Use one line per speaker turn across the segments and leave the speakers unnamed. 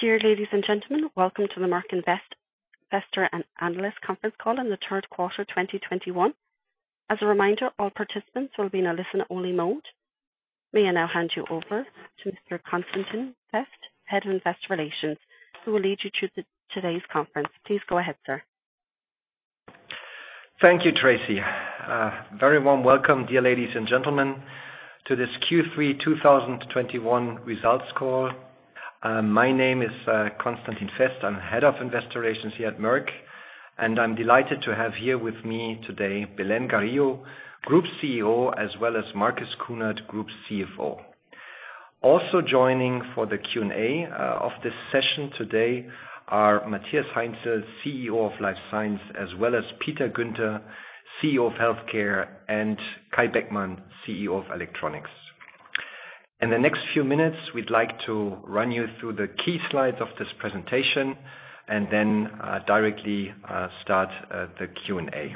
Dear ladies and gentlemen, welcome to the Merck Investor and Analyst Conference Call in the Third Quarter, 2021. As a reminder, all participants will be in a listen-only mode. May I now hand you over to Mr. Constantin Fest, Head of Investor Relations, who will lead you through today's conference. Please go ahead, sir.
Thank you, Tracy. Very warm welcome, dear ladies and gentlemen, to this Q3 2021 results call. My name is Constantin Fest. I'm Head of Investor Relations here at Merck, and I'm delighted to have here with me today Belén Garijo, Group CEO, as well as Marcus Kuhnert, Group CFO. Also joining for the Q&A of this session today are Matthias Heinzel, CEO of Life Science, as well as Peter Guenter, CEO of Healthcare, and Kai Beckmann, CEO of Electronics. In the next few minutes, we'd like to run you through the key slides of this presentation and then directly start the Q&A.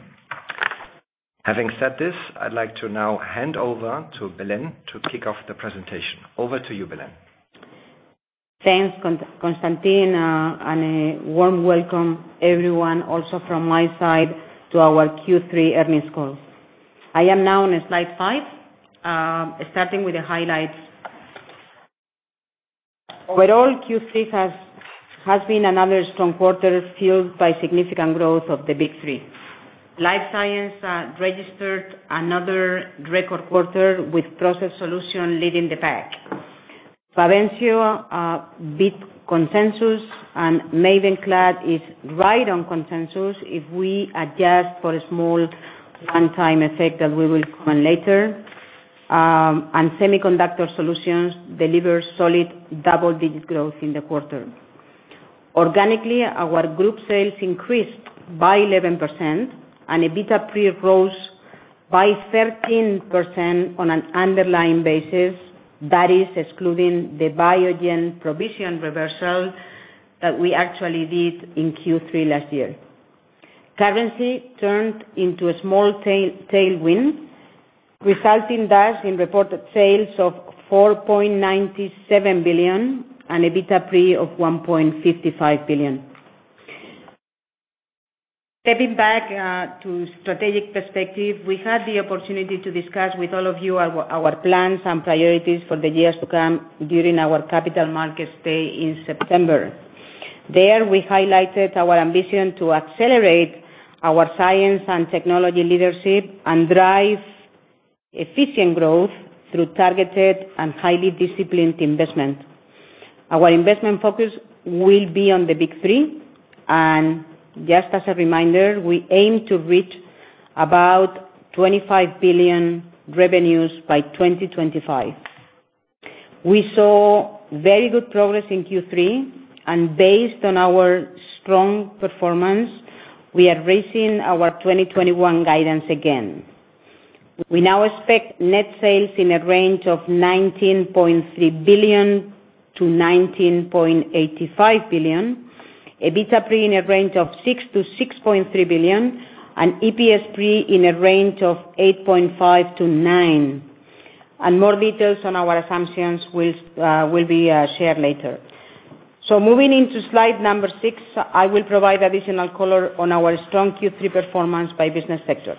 Having said this, I'd like to now hand over to Belén to kick off the presentation. Over to you, Belén.
Thanks, Constantin. And a warm welcome everyone also from my side to our Q3 earnings call. I am now on Slide five, starting with the highlights. Overall Q3 has been another strong quarter fueled by significant growth of the big three. Life Science registered another record quarter with Process Solutions leading the pack. BAVENCIO beat consensus and MAVENCLAD is right on consensus if we adjust for a small one-time effect that we will come later, and Semiconductor Solutions deliver solid double-digit growth in the quarter. Organically, our group sales increased by 11%, and EBITDA pre rose by 13% on an underlying basis, that is excluding the Biogen provision reversal that we actually did in Q3 last year. Currency turned into a small tailwind, resulting thus in reported sales of 4.97 billion and EBITDA pre of 1.55 billion. Stepping back to strategic perspective, we had the opportunity to discuss with all of you our plans and priorities for the years to come during our Capital Markets Day in September. There, we highlighted our ambition to accelerate our science and technology leadership and drive efficient growth through targeted and highly disciplined investment. Our investment focus will be on the big three, and just as a reminder, we aim to reach about 25 billion revenues by 2025. We saw very good progress in Q3, and based on our strong performance, we are raising our 2021 guidance again. We now expect net sales in a range of 19.3 billion-19.85 billion, EBITDA pre in a range of 6 billion-6.3 billion, and EPS pre in a range of 8.5-9. More details on our assumptions will be shared later. Moving into Slide six, I will provide additional color on our strong Q3 performance by business sector.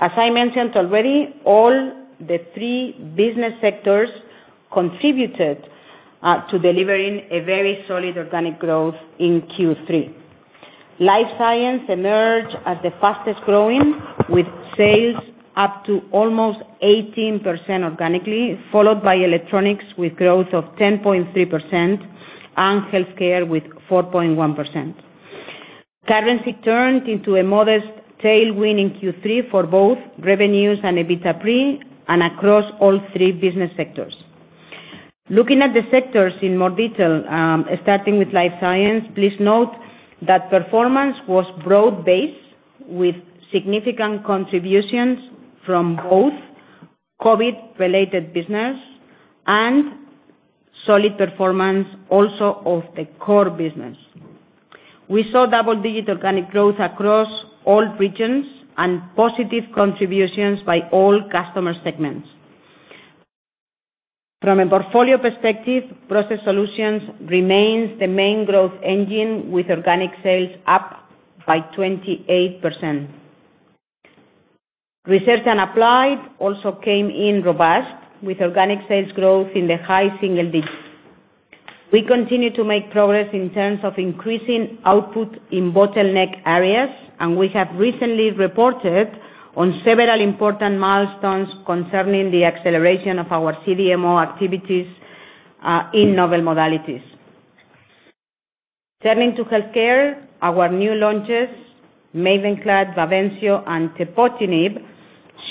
As I mentioned already, all the three business sectors contributed to delivering a very solid organic growth in Q3. Life Science emerged as the fastest growing, with sales up to almost 18% organically, followed by Electronics with growth of 10.3% and Healthcare with 4.1%. Currency turned into a modest tailwind in Q3 for both revenues and EBITDA pre and across all three business sectors. Looking at the sectors in more detail, starting with Life Science, please note that performance was broad-based with significant contributions from both COVID-related business and solid performance also of the core business. We saw double-digit organic growth across all regions and positive contributions by all customer segments. From a portfolio perspective, Process Solutions remains the main growth engine with organic sales up by 28%. Research and Applied also came in robust with organic sales growth in the high single digits. We continue to make progress in terms of increasing output in bottleneck areas, and we have recently reported on several important milestones concerning the acceleration of our CDMO activities in novel modalities. Turning to Healthcare, our new launches, MAVENCLAD, BAVENCIO, and tepotinib,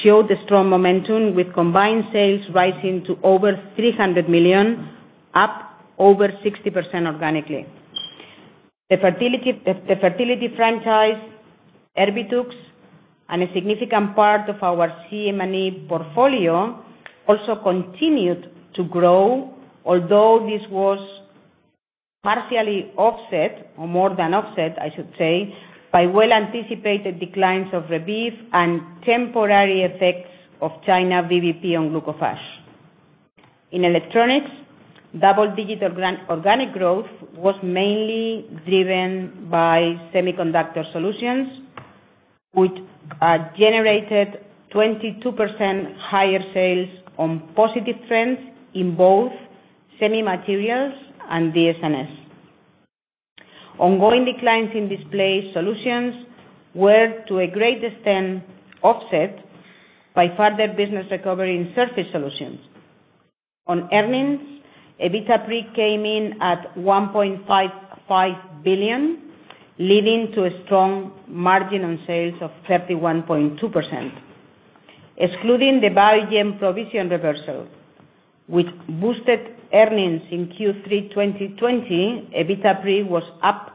showed a strong momentum with combined sales rising to over 300 million, up over 60% organically. The fertility franchise, Erbitux, and a significant part of our CM&E portfolio also continued to grow, although this was partially offset, or more than offset, I should say, by well-anticipated declines of Rebif and temporary effects of China VBP on Glucophage. In electronics, double-digit organic growth was mainly driven by Semiconductor Solutions, which generated 22% higher sales on positive trends in both semi materials and DS&S. Ongoing declines in Display Solutions were, to a great extent, offset by further business recovery in Surface Solutions. On earnings, EBITDA pre came in at 1.55 billion, leading to a strong margin on sales of 31.2%. Excluding the Biogen provision reversal, which boosted earnings in Q3 2020, EBITDA pre was up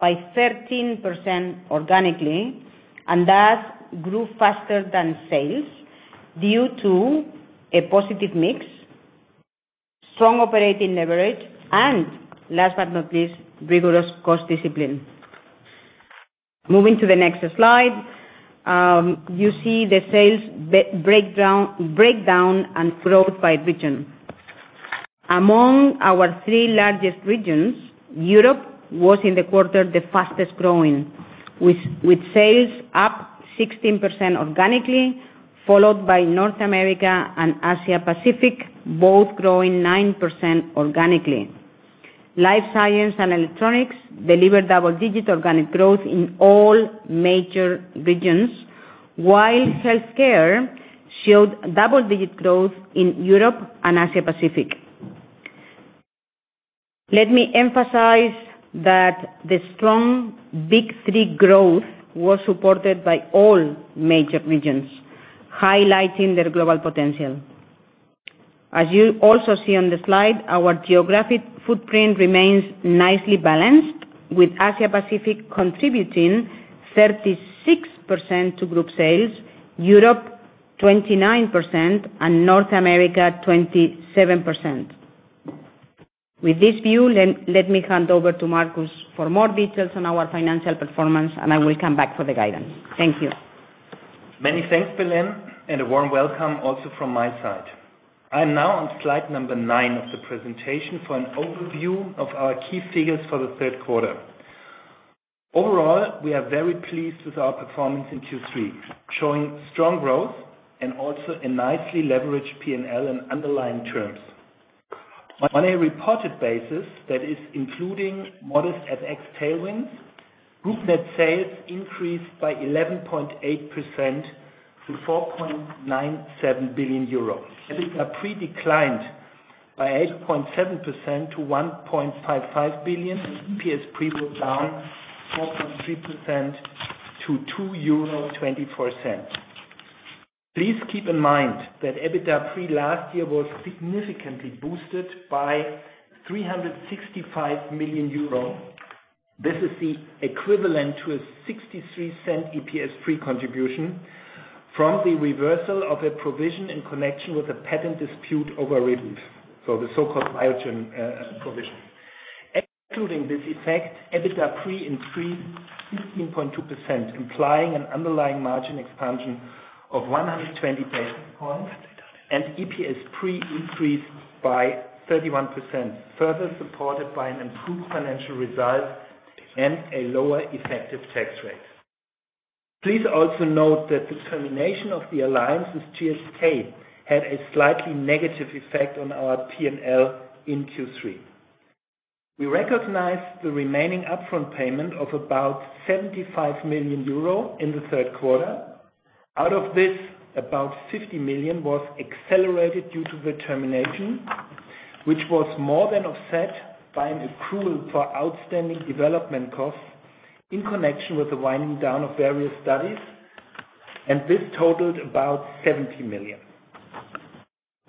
by 13% organically, and that grew faster than sales due to a positive mix, strong operating leverage, and last but not least, rigorous cost discipline. Moving to the next slide, you see the sales breakdown and growth by region. Among our three largest regions, Europe was, in the quarter, the fastest-growing, with sales up 16% organically, followed by North America and Asia-Pacific, both growing 9% organically. Life Science and Electronics delivered double-digit organic growth in all major regions, while Healthcare showed double-digit growth in Europe and Asia-Pacific. Let me emphasize that the strong big three growth was supported by all major regions, highlighting their global potential. As you also see on the slide, our geographic footprint remains nicely balanced, with Asia-Pacific contributing 36% to group sales, Europe 29%, and North America 27%. With this view, let me hand over to Marcus for more details on our financial performance, and I will come back for the guidance. Thank you.
Many thanks, Belén, and a warm welcome also from my side. I'm now on Slide nine of the presentation for an overview of our key figures for the third quarter. Overall, we are very pleased with our performance in Q3, showing strong growth and also a nicely leveraged P&L in underlying terms. On a reported basis, that is including modest FX tailwinds, group net sales increased by 11.8% to 4.97 billion euro. EBITDA pre declined by 8.7% to 1.55 billion. EPS pre was down 4.3% to 2.24 euro. Please keep in mind that EBITDA pre last year was significantly boosted by 365 million euro. This is the equivalent to a 0.63 EPS pre contribution from the reversal of a provision in connection with a patent dispute over Rebif, so the so-called Biogen provision. Excluding this effect, EBITDA pre increased 16.2%, implying an underlying margin expansion of 120 basis points, and EPS pre increased by 31%, further supported by an improved financial result and a lower effective tax rate. Please also note that the termination of the alliance with GSK had a slightly negative effect on our P&L in Q3. We recognized the remaining upfront payment of about 75 million euro in the third quarter. Out of this, about 50 million was accelerated due to the termination, which was more than offset by an accrual for outstanding development costs in connection with the winding down of various studies, and this totaled about 70 million.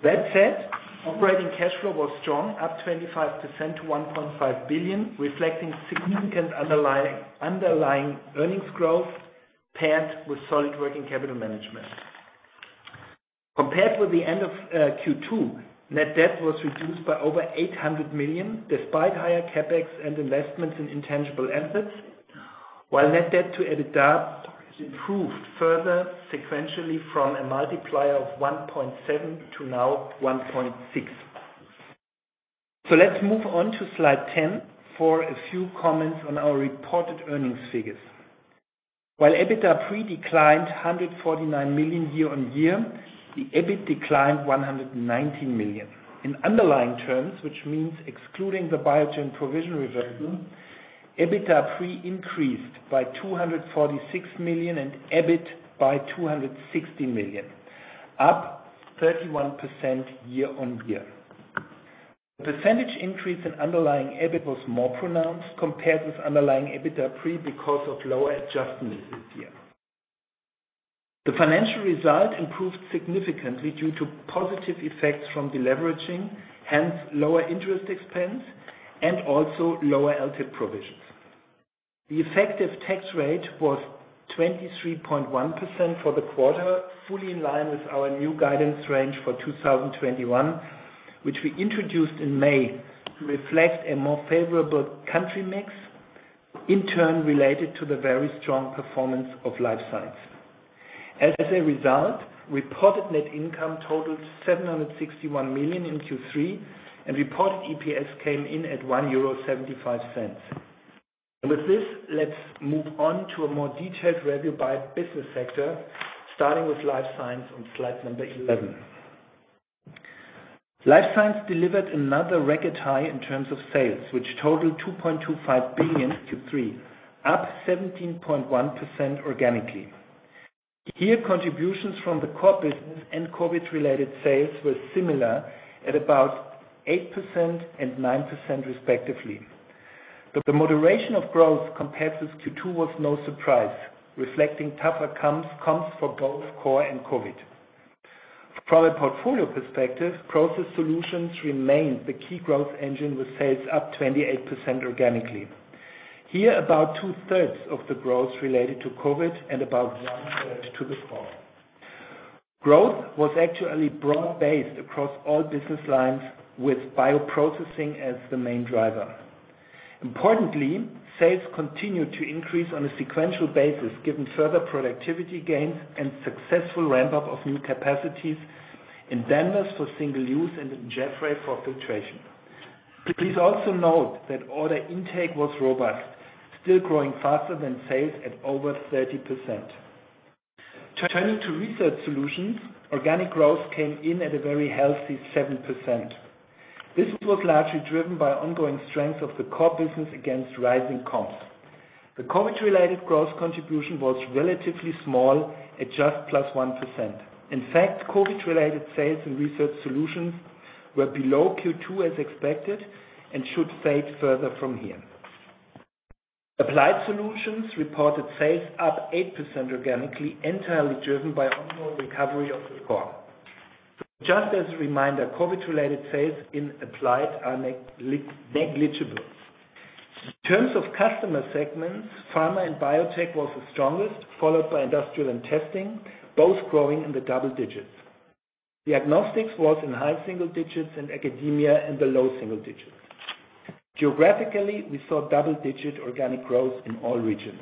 That said, operating cash flow was strong, up 25% to 1.5 billion, reflecting significant underlying earnings growth paired with solid working capital management. Compared with the end of Q2, net debt was reduced by over 800 million, despite higher CapEx and investments in intangible assets, while net debt to EBITDA improved further sequentially from a multiplier of 1.7 to now 1.6. Let's move on to slide 10 for a few comments on our reported earnings figures. While EBITDA pre declined 149 million year-on-year, the EBIT declined 119 million. In underlying terms, which means excluding the Biogen provision reversal, EBITDA pre increased by 246 million, and EBIT by 260 million, up 31% year-on-year. The percentage increase in underlying EBIT was more pronounced compared with underlying EBITDA pre because of lower adjustments this year. The financial result improved significantly due to positive effects from deleveraging, hence lower interest expense and also lower LTIP provisions. The effective tax rate was 23.1% for the quarter, fully in line with our new guidance range for 2021, which we introduced in May to reflect a more favorable country mix, in turn related to the very strong performance of Life Science. As a result, reported net income totaled 761 million in Q3 and reported EPS came in at 1.75 euro. With this, let's move on to a more detailed review by business sector, starting with Life Science on Slide 11. Life Science delivered another record high in terms of sales, which totaled 2.25 billion in Q3, up 17.1% organically. Here, contributions from the core business and COVID-19 related sales were similar at about 8% and 9% respectively. The moderation of growth compared to Q2 was no surprise, reflecting tougher comps for both core and COVID-19. From a portfolio perspective, Process Solutions remained the key growth engine with sales up 28% organically. Here, about two-thirds of the growth related to COVID-19 and about one-third to the core. Growth was actually broad-based across all business lines with bioprocessing as the main driver. Importantly, sales continued to increase on a sequential basis given further productivity gains and successful ramp-up of new capacities in Danvers for single use and in Jaffrey for filtration. Please also note that order intake was robust, still growing faster than sales at over 30%. Turning to Research Solutions, organic growth came in at a very healthy 7%. This was largely driven by ongoing strength of the core business against rising comps. The COVID-related growth contribution was relatively small at just +1%. In fact, COVID-related sales in Research Solutions were below Q2 as expected and should fade further from here. Applied Solutions reported sales up 8% organically, entirely driven by ongoing recovery of the core. Just as a reminder, COVID-related sales in Applied Solutions are negligible. In terms of customer segments, pharma and biotech was the strongest, followed by industrial and testing, both growing in the double digits. Diagnostics was in high single digits and academia in the low single digits. Geographically, we saw double-digit organic growth in all regions.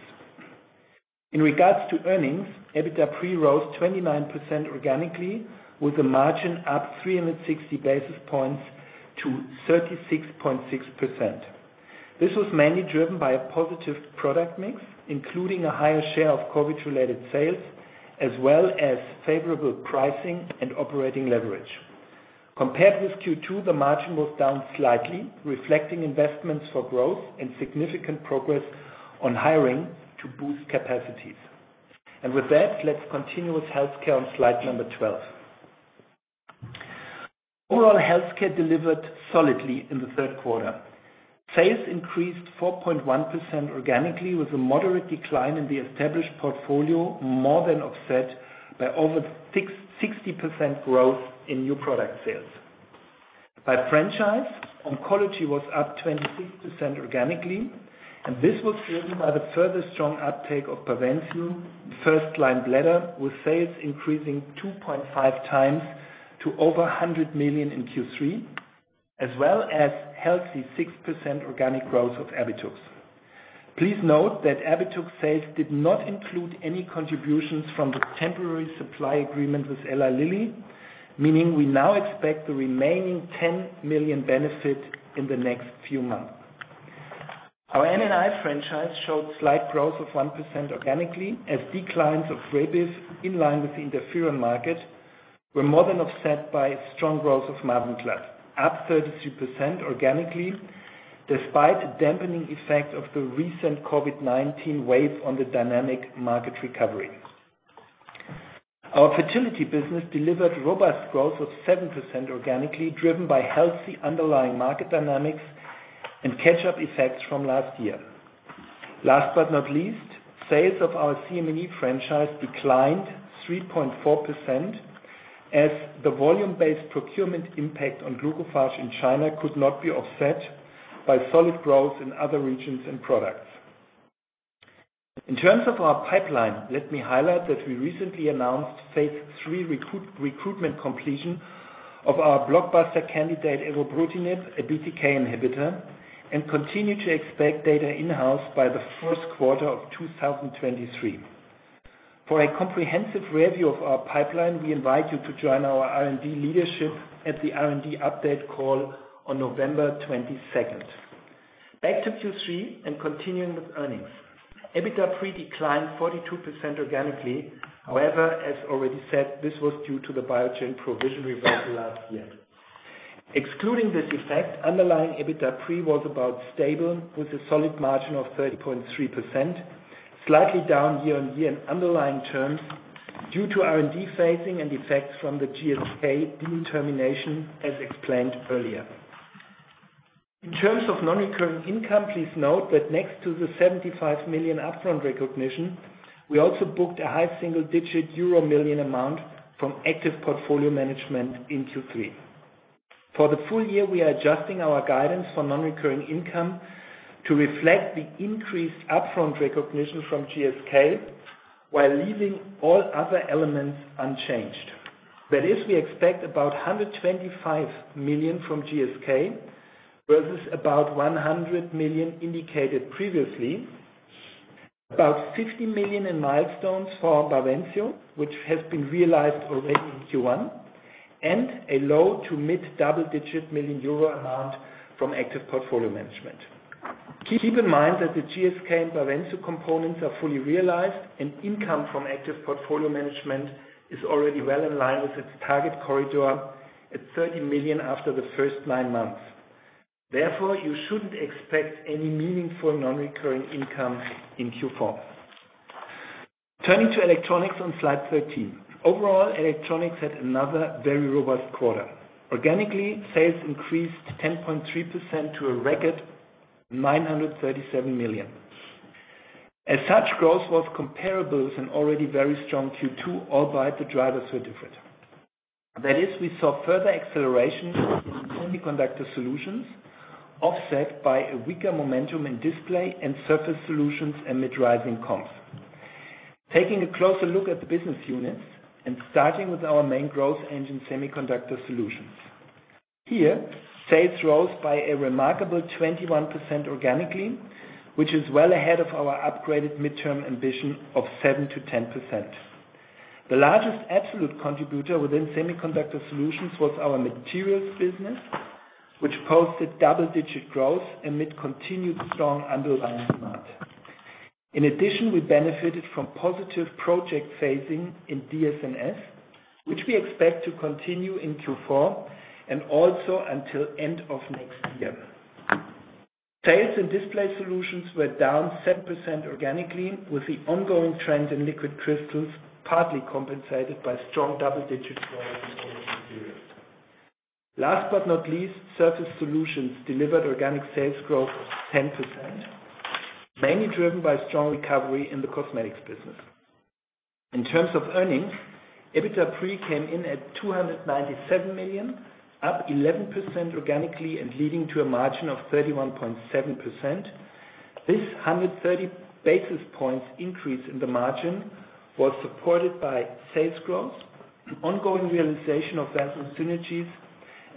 In regards to earnings, EBITDA pre rose 29% organically with the margin up 360 basis points to 36.6%. This was mainly driven by a positive product mix, including a higher share of COVID-related sales as well as favorable pricing and operating leverage. Compared with Q2, the margin was down slightly, reflecting investments for growth and significant progress on hiring to boost capacities. With that, let's continue with Healthcare on slide number 12. Overall Healthcare delivered solidly in the third quarter. Sales increased 4.1% organically, with a moderate decline in the established portfolio more than offset by over 660% growth in new product sales. By franchise, oncology was up 26% organically, and this was driven by the further strong uptake of BAVENCIO first-line bladder, with sales increasing 2.5x to over 100 million in Q3, as well as healthy 6% organic growth of Erbitux. Please note that Erbitux sales did not include any contributions from the temporary supply agreement with Eli Lilly, meaning we now expect the remaining 10 million benefit in the next few months. Our N&I franchise showed slight growth of 1% organically, as declines of Rebif in line with Interferon market were more than offset by strong growth of MAVENCLAD, up 32% organically despite dampening effect of the recent COVID-19 wave on the dynamic market recovery. Our fertility business delivered robust growth of 7% organically, driven by healthy underlying market dynamics and catch-up effects from last year. Last but not least, sales of our CM&E franchise declined 3.4% as the volume-based procurement impact on Glucophage in China could not be offset by solid growth in other regions and products. In terms of our pipeline, let me highlight that we recently announced phase III recruitment completion of our blockbuster candidate evobrutinib, a BTK inhibitor, and continue to expect data in-house by the first quarter of 2023. For a comprehensive review of our pipeline, we invite you to join our R&D leadership at the R&D update call on November 22. Back to Q3 and continuing with earnings. EBITDA pre declined 42% organically. However, as already said, this was due to the Biogen provision reversal last year. Excluding this effect, underlying EBITDA pre was about stable with a solid margin of 30.3%, slightly down year-on-year in underlying terms due to R&D phasing and effects from the GSK termination, as explained earlier. In terms of non-recurring income, please note that next to the 75 million upfront recognition, we also booked a high single-digit euro million amount from active portfolio management in Q3. For the full year, we are adjusting our guidance for non-recurring income to reflect the increased upfront recognition from GSK while leaving all other elements unchanged. That is, we expect about 125 million from GSK, versus about 100 million indicated previously. About 50 million in milestones for BAVENCIO, which has been realized already in Q1, and a low- to mid-double-digit euro million amount from active portfolio management. Keep in mind that the GSK and BAVENCIO components are fully realized, and income from active portfolio management is already well in line with its target corridor at 30 million after the first nine months. Therefore, you shouldn't expect any meaningful non-recurring income in Q4. Turning to Electronics on Slide 13. Overall, Electronics had another very robust quarter. Organically, sales increased 10.3% to a record 937 million. As such, growth was comparable to an already very strong Q2, albeit the drivers were different. That is, we saw further acceleration in Semiconductor Solutions, offset by a weaker momentum in Display Solutions and Surface Solutions amid rising comps. Taking a closer look at the business units and starting with our main growth engine, Semiconductor Solutions. Sales rose by a remarkable 21% organically, which is well ahead of our upgraded midterm ambition of 7%-10%. The largest absolute contributor within Semiconductor Solutions was our materials business, which posted double-digit growth amid continued strong underlying demand. In addition, we benefited from positive project phasing in DS&S, which we expect to continue in Q4 and also until end of next year. Sales in Display Solutions were down 7% organically, with the ongoing trend in liquid crystals partly compensated by strong double-digit growth in other materials. Last but not least, Surface Solutions delivered organic sales growth of 10%, mainly driven by strong recovery in the cosmetics business. In terms of earnings, EBITDA pre came in at 297 million, up 11% organically, and leading to a margin of 31.7%. This 130 basis points increase in the margin was supported by sales growth, ongoing realization of Versum synergies,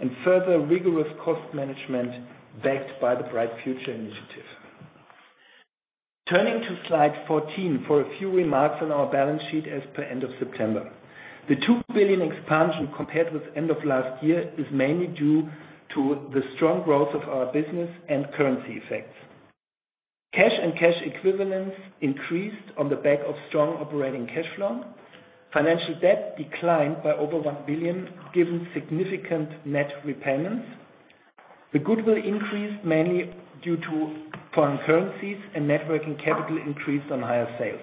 and further rigorous cost management backed by the Bright Future Initiative. Turning to Slide 14 for a few remarks on our balance sheet as per end of September. The 2 billion expansion compared with end of last year is mainly due to the strong growth of our business and currency effects. Cash and cash equivalents increased on the back of strong operating cash flow. Financial debt declined by over 1 billion, given significant net repayments. The goodwill increased mainly due to foreign currencies, and net working capital increased on higher sales.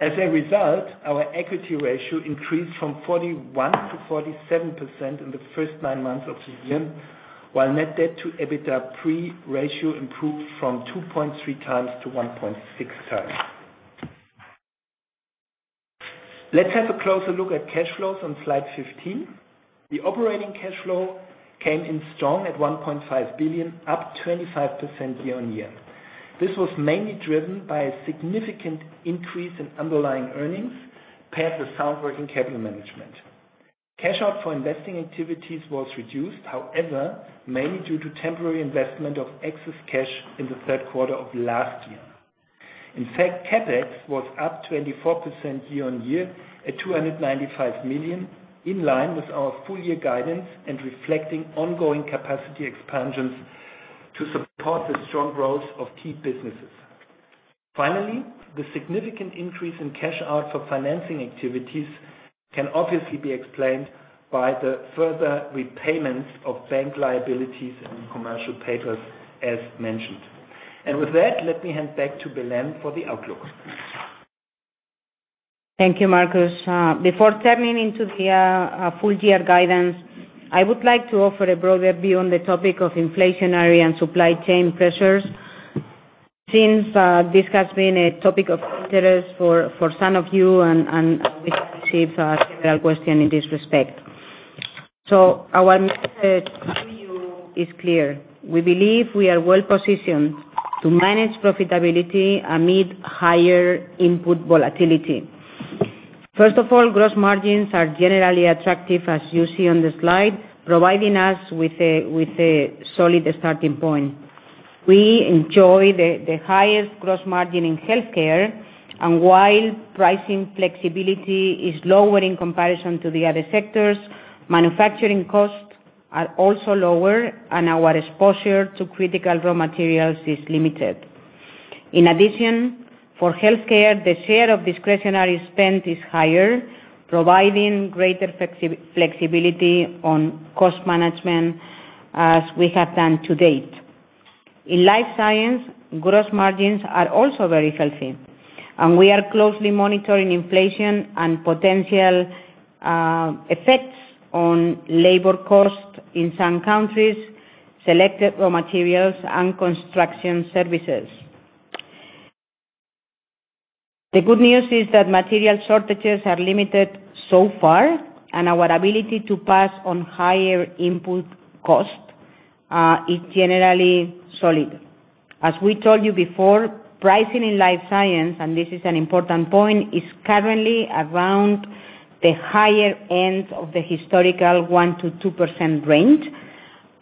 As a result, our equity ratio increased from 41%-47% in the first nine months of the year, while net debt to EBITDA pre-ratio improved from 2.3x to 1.6x. Let's have a closer look at cash flows on Slide 15. The operating cash flow came in strong at 1.5 billion, up 25% year-on-year. This was mainly driven by a significant increase in underlying earnings paired with sound working capital management. Cash out for investing activities was reduced, however, mainly due to temporary investment of excess cash in the third quarter of last year. In fact, CapEx was up 24% year-on-year at 295 million, in line with our full-year guidance and reflecting ongoing capacity expansions to support the strong growth of key businesses. Finally, the significant increase in cash out for financing activities can obviously be explained by the further repayments of bank liabilities and commercial papers, as mentioned. With that, let me hand back to Belén for the outlook.
Thank you, Marcus. Before turning to the full year guidance, I would like to offer a broader view on the topic of inflationary and supply chain pressures, since this has been a topic of interest for some of you and we have received several questions in this respect. Our message to you is clear. We believe we are well-positioned to manage profitability amid higher input volatility. First of all, gross margins are generally attractive, as you see on the slide, providing us with a solid starting point. We enjoy the highest gross margin in Healthcare, and while pricing flexibility is lower in comparison to the other sectors, manufacturing costs are also lower, and our exposure to critical raw materials is limited. In addition, for Healthcare, the share of discretionary spend is higher, providing greater flexibility on cost management as we have done to date. In Life Science, gross margins are also very healthy, and we are closely monitoring inflation and potential effects on labor costs in some countries, selected raw materials, and construction services. The good news is that material shortages are limited so far, and our ability to pass on higher input costs is generally solid. As we told you before, pricing in Life Science, and this is an important point, is currently around the higher end of the historical 1%-2% range,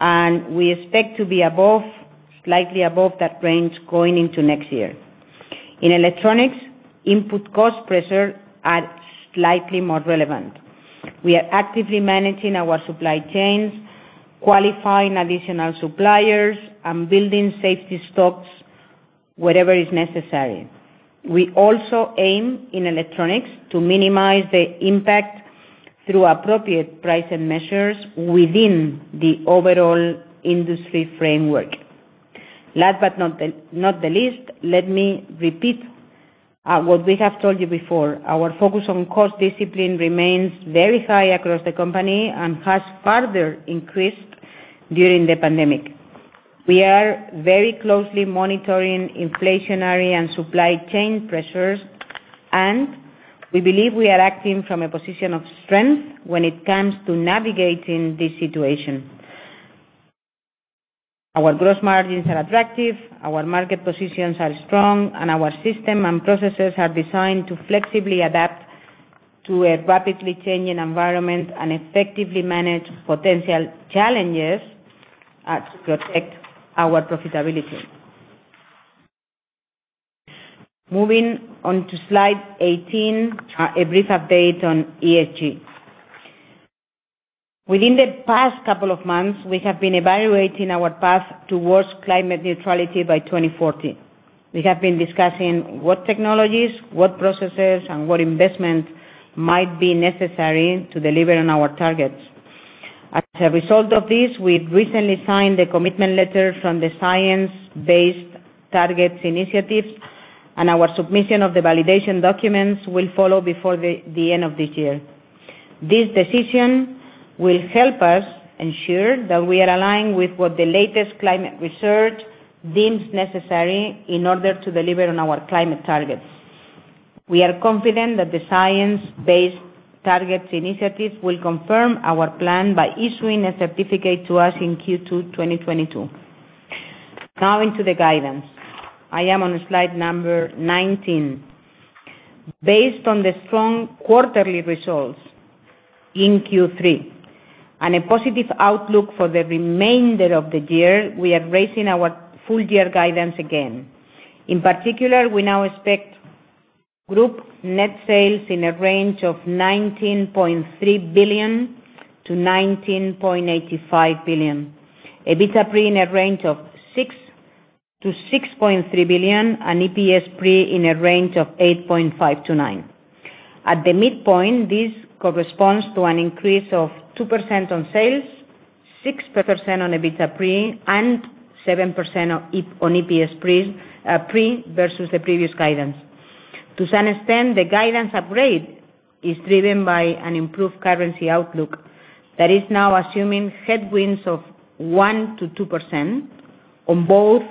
and we expect to be above, slightly above that range going into next year. In Electronics, input cost pressures are slightly more relevant. We are actively managing our supply chains, qualifying additional suppliers, and building safety stocks wherever is necessary. We also aim, in Electronics, to minimize the impact through appropriate price and measures within the overall industry framework. Last but not the least, let me repeat what we have told you before. Our focus on cost discipline remains very high across the company and has further increased during the pandemic. We are very closely monitoring inflationary and supply chain pressures, and we believe we are acting from a position of strength when it comes to navigating this situation. Our gross margins are attractive, our market positions are strong, and our system and processes are designed to flexibly adapt to a rapidly changing environment and effectively manage potential challenges to protect our profitability. Moving on to Slide 18, a brief update on ESG. Within the past couple of months, we have been evaluating our path towards climate neutrality by 2040. We have been discussing what technologies, what processes, and what investment might be necessary to deliver on our targets. As a result of this, we've recently signed the commitment letter from the Science Based Targets initiative, and our submission of the validation documents will follow before the end of this year. This decision will help us ensure that we are aligned with what the latest climate research deems necessary in order to deliver on our climate targets. We are confident that the Science Based Targets initiative will confirm our plan by issuing a certificate to us in Q2 2022. Now into the guidance. I am on slide number 19. Based on the strong quarterly results in Q3 and a positive outlook for the remainder of the year, we are raising our full year guidance again. In particular, we now expect group net sales in a range of 19.3 billion-19.85 billion. EBITDA pre in a range of 6 billion-6.3 billion, and EPS pre in a range of 8.5-9. At the midpoint, this corresponds to an increase of 2% on sales, 6% on EBITDA pre, and 7% on EPS pre versus the previous guidance. To some extent, the guidance upgrade is driven by an improved currency outlook that is now assuming headwinds of 1%-2% on both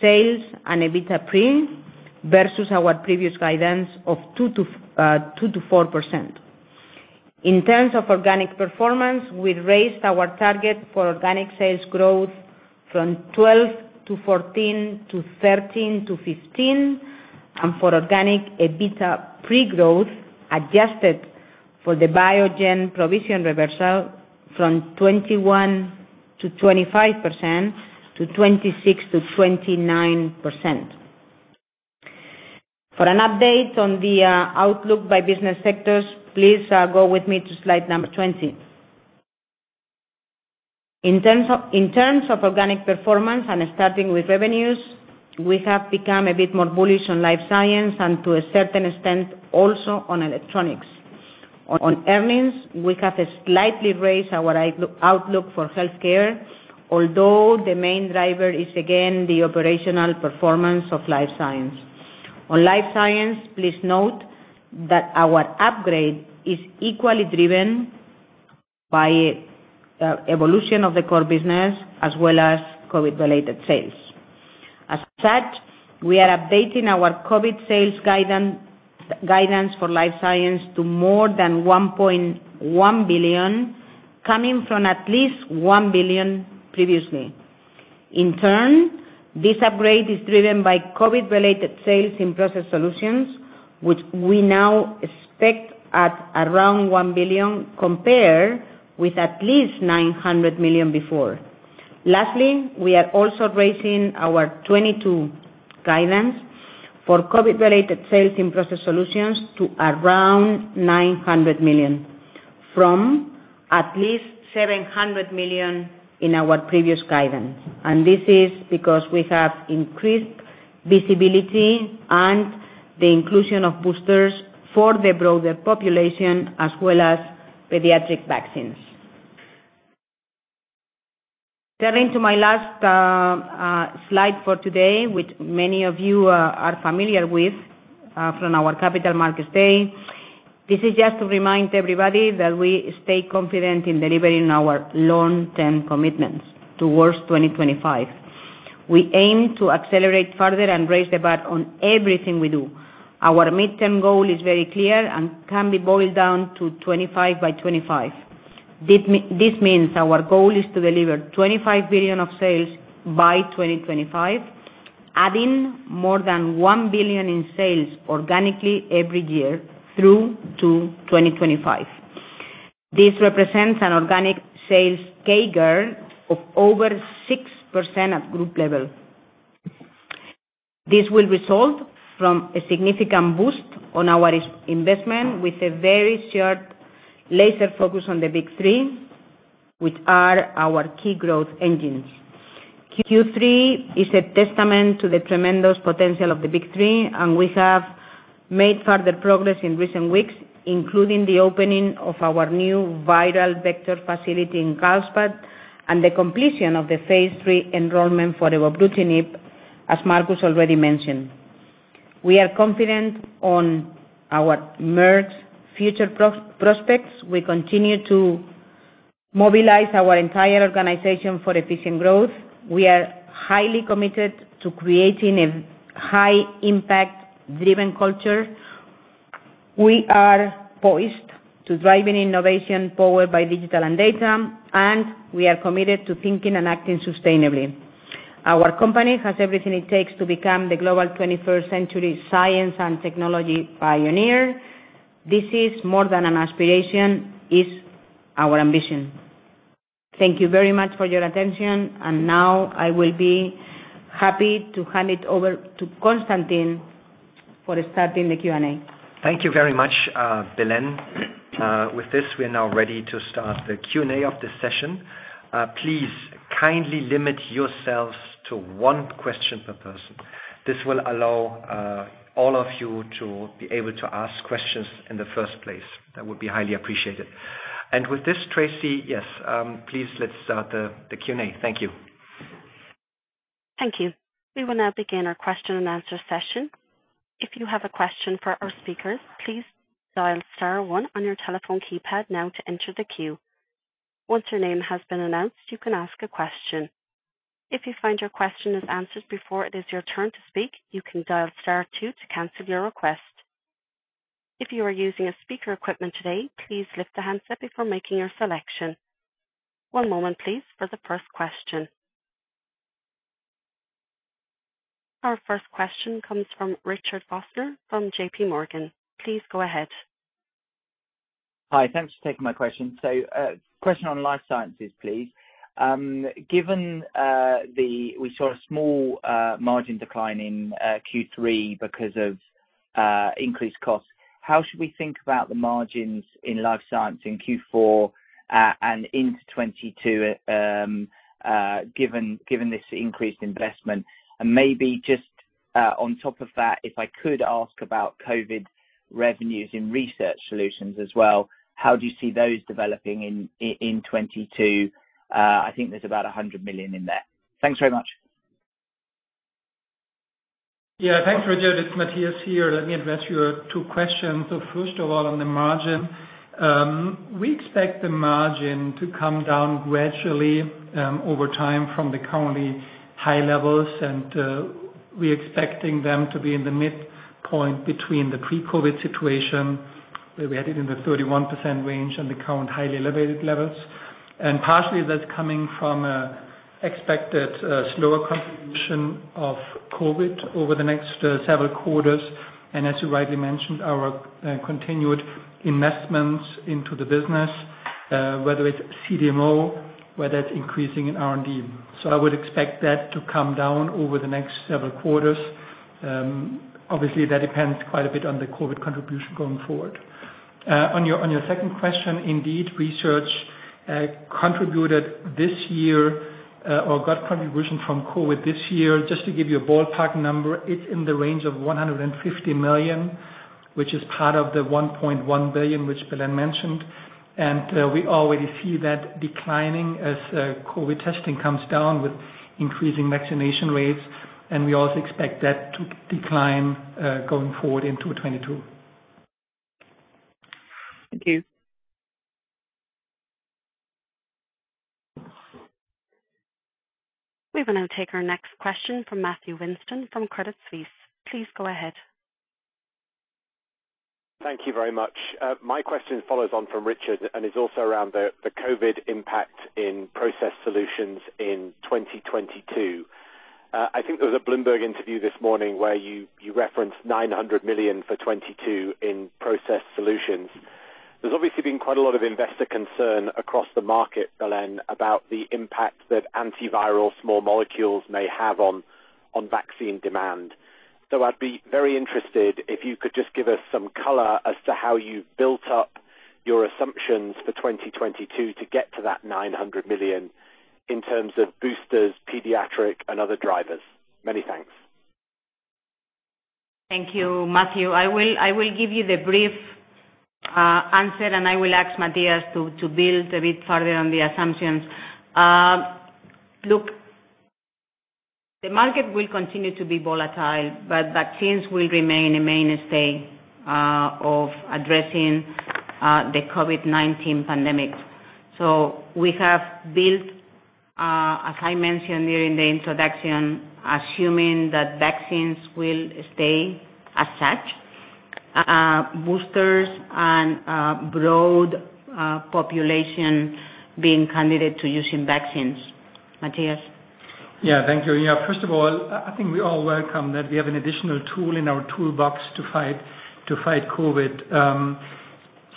sales and EBITDA pre versus our previous guidance of 2%-4%. In terms of organic performance, we raised our target for organic sales growth from 12%-14% to 13%-15%, and for organic EBITDA pre-growth, adjusted for the Biogen provision reversal from 21%-25% to 26%-29%. For an update on the outlook by business sectors, please go with me to Slide 20. In terms of organic performance, starting with revenues, we have become a bit more bullish on Life Science and to a certain extent, also on Electronics. On earnings, we have slightly raised our outlook for Healthcare, although the main driver is again the operational performance of Life Science. On Life Science, please note that our upgrade is equally driven by evolution of the core business as well as COVID-related sales. As such, we are updating our COVID sales guidance for Life Science to more than 1.1 billion, coming from at least 1 billion previously. In turn, this upgrade is driven by COVID-related sales in Process Solutions, which we now expect at around 1 billion, compared with at least 900 million before. Lastly, we are also raising our 2022 guidance for COVID-related sales in Process Solutions to around 900 million, from at least 700 million in our previous guidance. This is because we have increased visibility and the inclusion of boosters for the broader population, as well as pediatric vaccines. Turning to my last slide for today, which many of you are familiar with, from our Capital Markets Day. This is just to remind everybody that we stay confident in delivering our long-term commitments towards 2025. We aim to accelerate further and raise the bar on everything we do. Our midterm goal is very clear and can be boiled down to 25 by 25. This means our goal is to deliver 25 billion of sales by 2025, adding more than 1 billion in sales organically every year through to 2025. This represents an organic sales CAGR of over 6% at group level. This will result from a significant boost on our investment with a very sharp laser focus on the big three, which are our key growth engines. Q3 is a testament to the tremendous potential of the big three, and we have made further progress in recent weeks, including the opening of our new viral vector facility in Carlsbad and the completion of the phase III enrollment for evobrutinib, as Marcus already mentioned. We are confident on our merged future prospects. We continue to mobilize our entire organization for efficient growth. We are highly committed to creating a high impact driven culture. We are poised to driving innovation powered by digital and data, and we are committed to thinking and acting sustainably. Our company has everything it takes to become the global 21st century science and technology pioneer. This is more than an aspiration, it's our ambition. Thank you very much for your attention. Now I will be happy to hand it over to Constantin for starting the Q&A.
Thank you very much, Belén. With this, we are now ready to start the Q&A of this session. Please kindly limit yourselves to one question per person. This will allow all of you to be able to ask questions in the first place. That would be highly appreciated. With this, Tracy, yes, please let's start the Q&A. Thank you.
Thank you. We will now begin our question and answer session. If you have a question for our speakers, please dial star one on your telephone keypad now to enter the queue. Once your name has been announced, you can ask a question. If you find your question is answered before it is your turn to speak, you can dial star two to cancel your request. If you are using speaker equipment today, please lift the handset before making your selection. One moment please for the first question. Our first question comes from Richard Vosser from JPMorgan. Please go ahead.
Hi. Thanks for taking my question. Question on Life Science, please. Given we saw a small margin decline in Q3 because of increased costs, how should we think about the margins in Life Science in Q4 and into 2022, given this increased investment? Maybe just on top of that, if I could ask about COVID revenues in Research Solutions as well, how do you see those developing in 2022? I think there's about 100 million in there. Thanks very much.
Yeah. Thanks, Richard. It's Matthias here. Let me address your two questions. First of all, on the margin, we expect the margin to come down gradually over time from the currently high levels, and we're expecting them to be in the midpoint between the pre-COVID situation, where we had it in the 31% range and the current highly elevated levels. Partially that's coming from expected slower contribution of COVID over the next several quarters. As you rightly mentioned, our continued investments into the business, whether it's CDMO, whether it's increasing in R&D. I would expect that to come down over the next several quarters. Obviously, that depends quite a bit on the COVID contribution going forward. On your second question, indeed, Research contributed this year or got contribution from COVID this year. Just to give you a ballpark number, it's in the range of 150 million, which is part of the 1.1 billion, which Belén mentioned. We already see that declining as COVID testing comes down with increasing vaccination rates, and we also expect that to decline going forward into 2022.
Thank you.
We will now take our next question from Matthew Weston from Credit Suisse. Please go ahead.
Thank you very much. My question follows on from Richard and is also around the COVID impact in Process Solutions in 2022. I think there was a Bloomberg interview this morning where you referenced 900 million for 2022 in Process Solutions. There's obviously been quite a lot of investor concern across the market, Belén, about the impact that antiviral small molecules may have on vaccine demand. I'd be very interested if you could just give us some color as to how you've built up your assumptions for 2022 to get to that 900 million in terms of boosters, pediatric, and other drivers. Many thanks.
Thank you, Matthew. I will give you the brief answer, and I will ask Matthias to build a bit further on the assumptions. Look, the market will continue to be volatile, but vaccines will remain a mainstay of addressing the COVID-19 pandemic. We have built, as I mentioned during the introduction, assuming that vaccines will stay as such, boosters and, broad population being candidate to using vaccines. Matthias?
Thank you. First of all, I think we all welcome that we have an additional tool in our toolbox to fight COVID.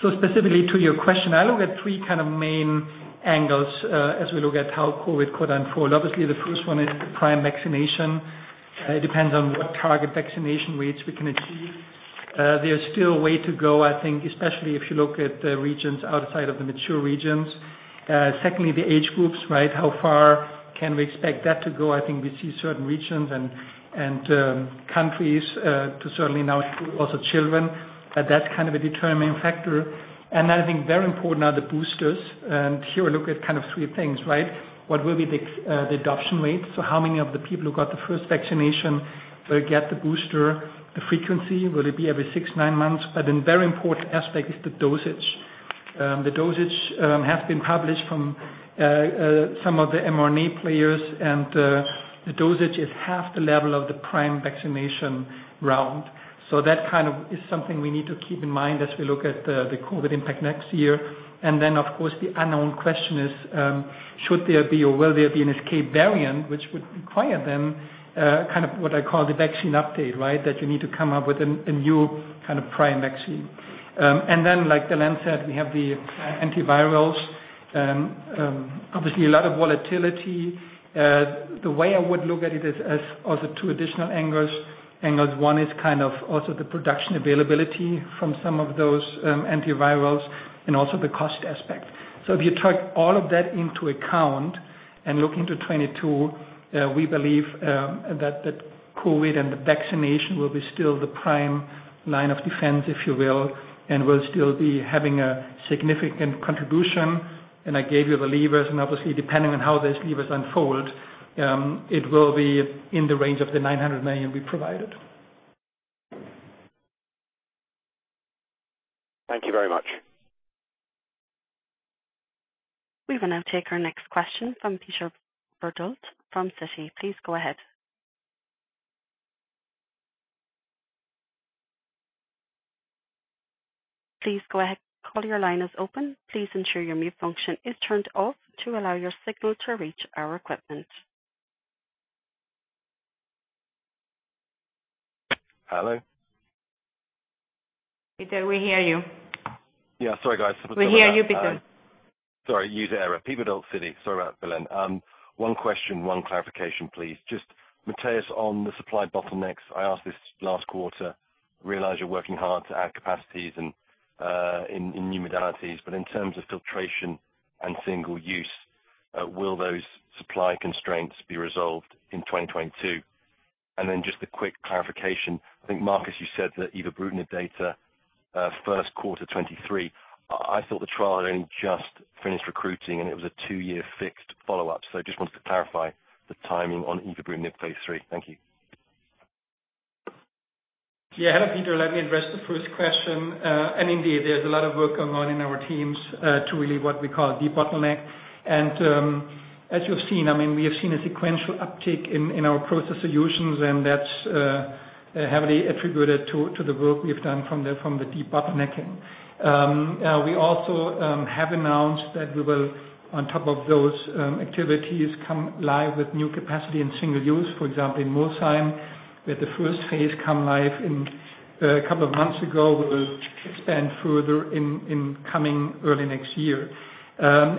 So specifically to your question, I look at three kind of main angles as we look at how COVID could unfold. Obviously, the first one is the primary vaccination. It depends on what target vaccination rates we can achieve. There's still a way to go, I think, especially if you look at the regions outside of the mature regions. Secondly, the age groups, right? How far can we expect that to go? I think we see certain regions and countries to certainly now include also children, that's kind of a determining factor. Then I think very important are the boosters. Here we look at kind of three things, right? What will be the adoption rate? How many of the people who got the first vaccination will get the booster? The frequency, will it be every six, nine months? Very important aspect is the dosage. The dosage has been published from some of the mRNA players, and the dosage is half the level of the prime vaccination round. That kind of is something we need to keep in mind as we look at the COVID-19 impact next year. Of course, the unknown question is, should there be or will there be an escape variant which would require then kind of what I call the vaccine update, right? That you need to come up with a new kind of prime vaccine. Like Belén said, we have the antivirals. Obviously a lot of volatility. The way I would look at it is as two additional angles. Angle one is kind of also the production availability from some of those antivirals and also the cost aspect. If you take all of that into account and look into 2022, we believe that COVID and the vaccination will be still the prime line of defense, if you will, and will still be having a significant contribution. I gave you the levers, and obviously depending on how those levers unfold, it will be in the range of the 900 million we provided.
Thank you very much.
We will now take our next question from Peter Verdult from Citi. Please go ahead. Your line is open. Please ensure your mute function is turned off to allow your signal to reach our equipment.
Hello?
Peter, we hear you.
Yeah, sorry guys.
We hear you, Peter.
Sorry, user error. Peter Verdult, Citi. Sorry about that, Belén. One question, one clarification, please. Just Matthias, on the supply bottlenecks, I asked this last quarter. Realize you're working hard to add capacities and in new modalities, but in terms of filtration and single use, will those supply constraints be resolved in 2022? Just a quick clarification. I think, Marcus, you said that evobrutinib data, first quarter 2023. I thought the trial had only just finished recruiting, and it was a two-year fixed follow-up. I just wanted to clarify the timing on evobrutinib phase III. Thank you.
Yeah. Hello, Peter. Let me address the first question. Indeed, there's a lot of work going on in our teams to really what we call de-bottleneck. As you've seen, I mean, we have seen a sequential uptick in our Process Solutions, and that's heavily attributed to the work we've done from the de-bottlenecking. We also have announced that we will, on top of those activities, come live with new capacity in single-use. For example, in Molsheim, where the first phase come live in a couple of months ago, will expand further in coming early next year.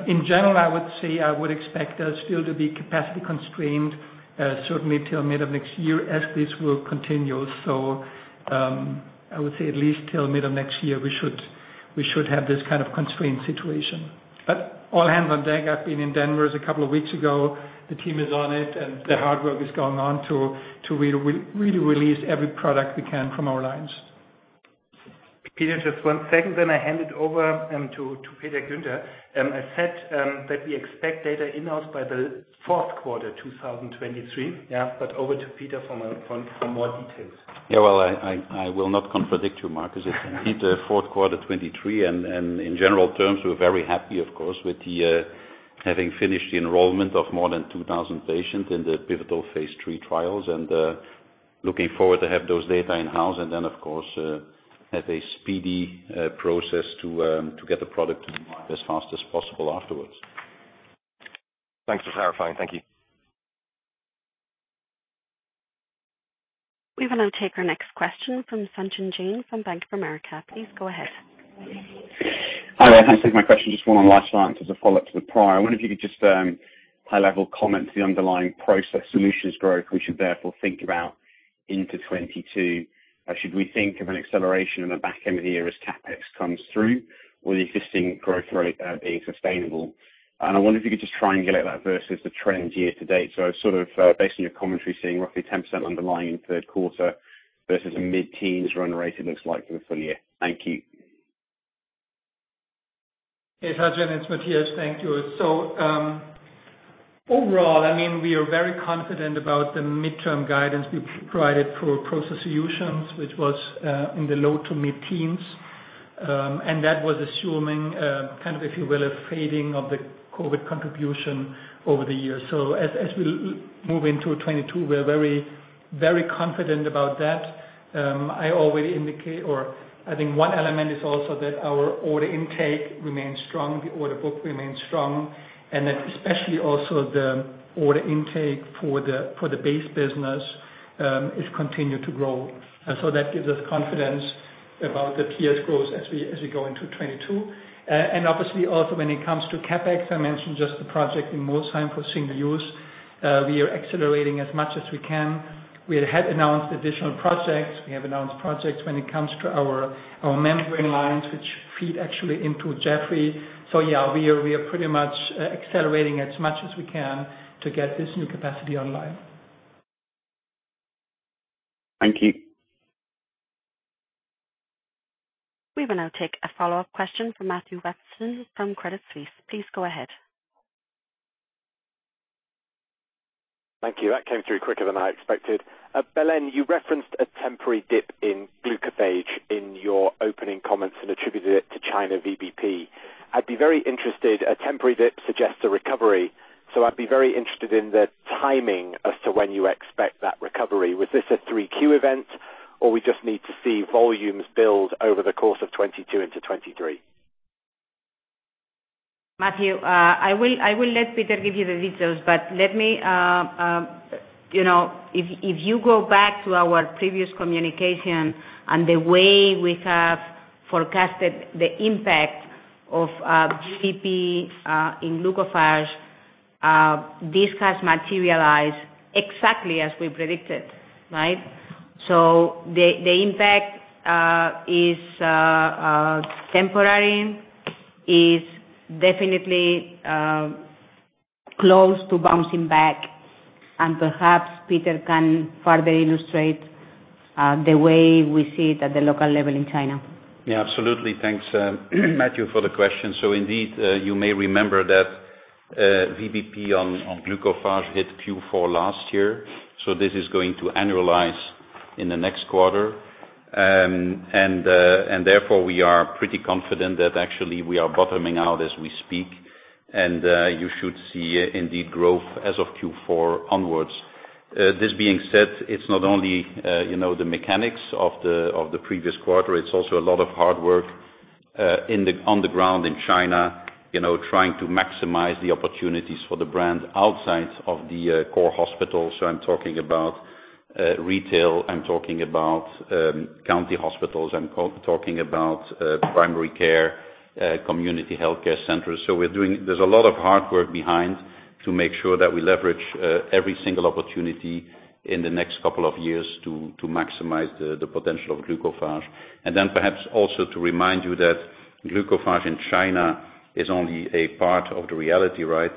In general, I would say I would expect us still to be capacity constrained, certainly till middle of next year as this work continues. I would say at least till middle of next year, we should have this kind of constrained situation. All hands on deck. I've been in Danvers just a couple of weeks ago. The team is on it, and the hard work is going on to really release every product we can from our lines.
Peter, just one second, then I hand it over to Peter Guenter. I said that we expect data in-house by the fourth quarter 2023. Over to Peter for more details.
Yeah. Well, I will not contradict you, Marcus. It's indeed fourth quarter 2023. In general terms, we're very happy, of course, with having finished the enrollment of more than 2,000 patients in the pivotal phase III trials. Looking forward to have those data in-house and then of course have a speedy process to get the product as fast as possible afterwards.
Thanks for clarifying. Thank you.
We will now take our next question from Sachin Jain from Bank of America. Please go ahead.
Hi there. Thanks. My question, just one on Life Science as a follow-up to the prior. I wonder if you could just high-level comment the underlying Process Solutions growth we should therefore think about into 2022. Should we think of an acceleration in the back end of the year as CapEx comes through or the existing growth rate being sustainable? I wonder if you could just triangulate that versus the trend year to date. Sort of based on your commentary, seeing roughly 10% underlying in third quarter versus a mid-teens run rate it looks like for the full year. Thank you.
Hey, Sachin, it's Matthias. Thank you. Overall, I mean, we are very confident about the midterm guidance we provided for Process Solutions, which was in the low- to mid-teens. That was assuming kind of if you will, a fading of the COVID contribution over the years. As we move into 2022, we are very, very confident about that. I think one element is also that our order intake remains strong, the order book remains strong, and that especially also the order intake for the base business is continued to grow. That gives us confidence about the PS growth as we go into 2022. Obviously also when it comes to CapEx, I mentioned just the project in Molsheim for single-use. We are accelerating as much as we can. We had announced additional projects. We have announced projects when it comes to our membrane lines, which feed actually into Jaffrey. Yeah, we are pretty much accelerating as much as we can to get this new capacity online.
Thank you.
We will now take a follow-up question from Matthew Weston from Credit Suisse. Please go ahead.
Thank you. That came through quicker than I expected. Belén, you referenced a temporary dip in Glucophage in your opening comments and attributed it to China VBP. A temporary dip suggests a recovery, so I'd be very interested in the timing as to when you expect that recovery. Was this a Q3 event or we just need to see volumes build over the course of 2022 into 2023?
Matthew, I will let Peter give you the details, but let me you know, if you go back to our previous communication and the way we have forecasted the impact of VBP in Glucophage, this has materialized exactly as we predicted, right? The impact is temporary, is definitely close to bouncing back, and perhaps Peter can further illustrate the way we see it at the local level in China.
Yeah, absolutely. Thanks, Matthew, for the question. Indeed, you may remember that VBP on Glucophage hit Q4 last year, so this is going to annualize in the next quarter. And therefore, we are pretty confident that actually we are bottoming out as we speak, and you should see indeed growth as of Q4 onwards. This being said, it's not only you know the mechanics of the previous quarter, it's also a lot of hard work on the ground in China, trying to maximize the opportunities for the brand outside of the core hospitals. I'm talking about retail, I'm talking about county hospitals, I'm talking about primary care, community healthcare centers. We're doing... There's a lot of hard work behind to make sure that we leverage every single opportunity in the next couple of years to maximize the potential of Glucophage. Perhaps also to remind you that Glucophage in China is only a part of the reality, right?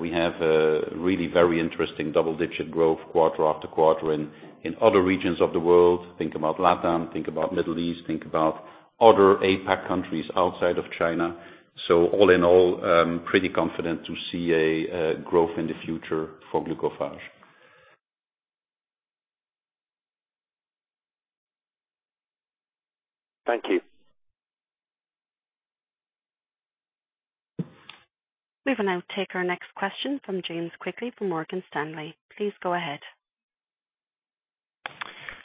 We have a really very interesting double-digit growth quarter-after-quarter in other regions of the world. Think about LatAm, think about Middle East, think about other APAC countries outside of China. All in all, pretty confident to see growth in the future for Glucophage.
Thank you.
We will now take our next question from James Quigley from Morgan Stanley. Please go ahead.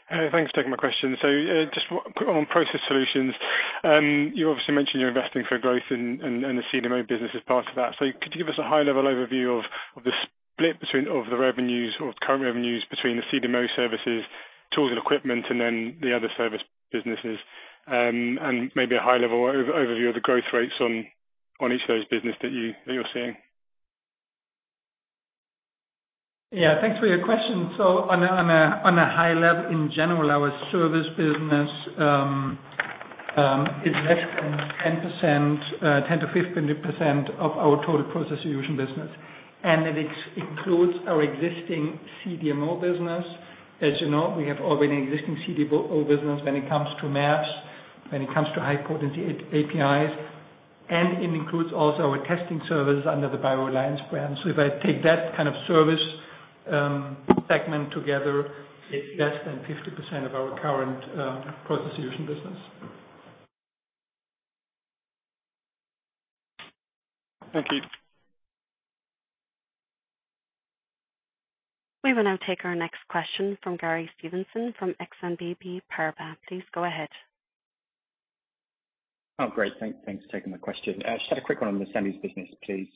Thanks for taking my question. Just quick on Process Solutions. You obviously mentioned you're investing for growth and the CDMO business is part of that. Could you give us a high level overview of the split of the current revenues between the CDMO services, tools and equipment, and then the other service businesses? And maybe a high level overview of the growth rates on each of those businesses that you're seeing.
Yeah, thanks for your question. On a high level in general, our service business is 10%-15% of our total Process Solutions business. It excludes our existing CDMO business. As you know, we have already an existing CDMO business when it comes to mAbs, when it comes to high-potency APIs, and it includes also our testing service under the BioReliance brand. If I take that kind of service segment together, it's less than 50% of our current Process Solutions business.
Thank you.
We will now take our next question from Gary Steventon from Exane BNP Paribas. Please go ahead.
Oh, great. Thanks for taking my question. Just had a quick one on the Semis business, please.